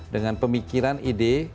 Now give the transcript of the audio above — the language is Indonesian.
dengan pemikiran ide